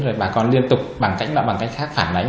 rồi bà con liên tục bằng cách nào bằng cách khác phản đánh